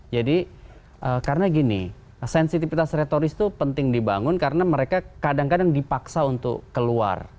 jadi karena gini sensitivitas retoris itu penting dibangun karena mereka kadang kadang dipaksa untuk keluar